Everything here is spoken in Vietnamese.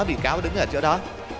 bị cáo đứng ở chỗ đó